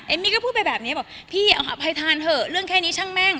เอ็มมี่ก็พูดแบบนี้พี่อภัยทานเถอะเรื่องแค่นี้ช่างแม่ง